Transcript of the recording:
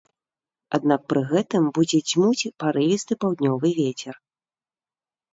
Аднак пры гэтым будзе дзьмуць парывісты паўднёвы вецер.